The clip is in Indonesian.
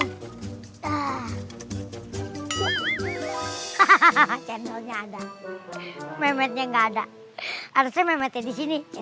hahaha channelnya ada memetnya enggak ada harusnya disini